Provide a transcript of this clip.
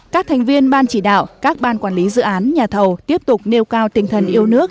các thành viên ban chỉ đạo các ban quản lý dự án nhà thầu tiếp tục nêu cao tinh thần yêu nước